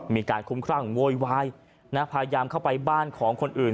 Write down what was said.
มีการคุ้มครั่งโวยวายพยายามเข้าไปบ้านของคนอื่น